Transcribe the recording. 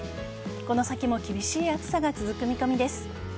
この先も厳しい暑さが続く見込みです。